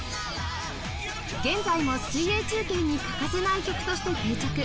現在も水泳中継に欠かせない曲として定着